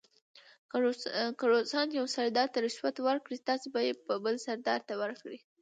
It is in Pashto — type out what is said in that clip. که روسان یو سردار ته رشوت ورکړي تاسې به یې بل سردار ته ورکړئ.